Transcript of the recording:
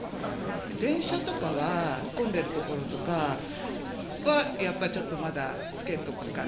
電車とか混んでる所とかはやっぱりちょっとまだ着けとくかな。